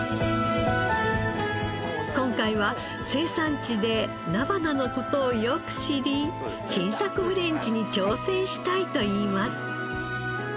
今回は生産地で菜花の事をよく知り新作フレンチに挑戦したいといいます。